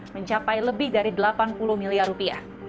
mencapai lebih dari delapan puluh miliar rupiah